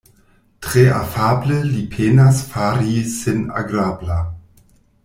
Tre afable li penas fari sin agrabla.